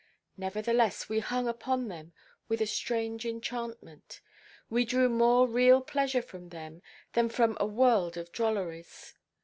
Nevertheless, we hung upon them with a strange enchantment; we drew more real pleasure from them than from a world of drolleries.